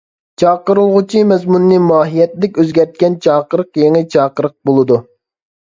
چاقىرىلغۇچى مەزمۇنىنى ماھىيەتلىك ئۆزگەرتكەن چاقىرىق يېڭى چاقىرىق بولىدۇ.